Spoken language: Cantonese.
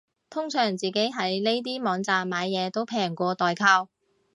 通常自己喺呢啲網站買嘢都平過代購